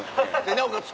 なおかつ